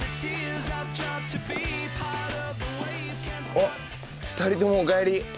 おっ２人ともおかえり。